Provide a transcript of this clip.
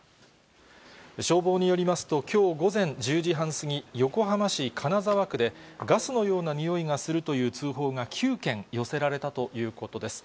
消防によりますときょう午前１０時半過ぎ、横浜市金沢区で、ガスのような臭いがするという通報が９件寄せられたということです。